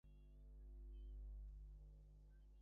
আমার যা কথা তা মুখে উচ্চারণ করতেও সংকোচ বোধ হয়।